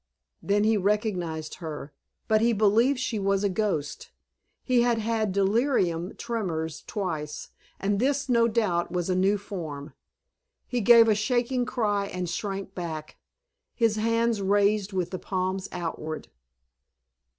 Then he recognized her, but he believed she was a ghost. He had had delirium tremens twice, and this no doubt was a new form. He gave a shaking cry and shrank back, his hands raised with the palms outward.